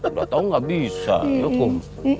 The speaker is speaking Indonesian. udah tau gak bisa ya kum